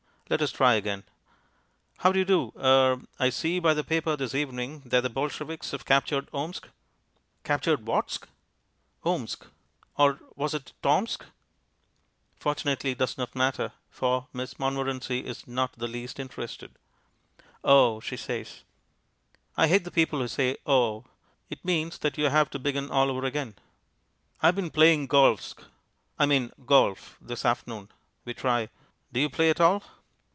Let us try again. "How do you do. Er I see by the paper this evening that the Bolsheviks have captured Omsk." "Captured Whatsk?" "Omsk." Or was it Tomsk? Fortunately it does not matter, for Miss Montmorency is not the least interested. "Oh!" she says. I hate people who say "Oh!" It means that you have to begin all over again. "I've been playing golfsk I mean golf this afternoon," we try. "Do you play at all?"